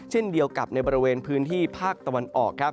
เช่นเดียวกับในบริเวณพื้นที่ภาคตะวันออกครับ